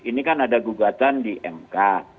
ini kan ada gugatan di mk